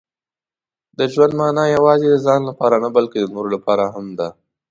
• د ژوند مانا یوازې د ځان لپاره نه، بلکې د نورو لپاره هم ده.